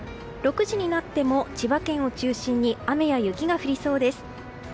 ６時になっても千葉県を中心に雨や雪が降りそうです。